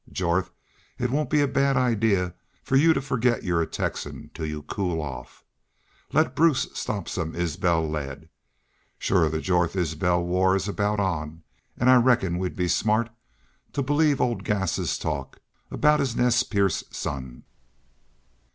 Jorth, it won't be a bad idee for you to forget you're a Texan till you cool off. Let Bruce stop some Isbel lead. Shore the Jorth Isbel war is aboot on, an' I reckon we'd be smart to believe old Gass's talk aboot his Nez Perce son."